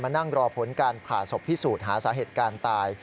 นั่งรอผลการผ่าศพพิสูจน์หาสาเหตุการณ์ตาย